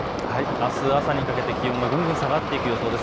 あす朝にかけて気温がぐんぐん下がっていく予想です。